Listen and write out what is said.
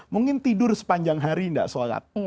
mungkin tidur sepanjang hari tidak sholat